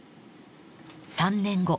３年後